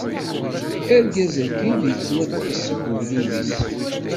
Argaz-agi ad ittwakkes seg ugdud-is.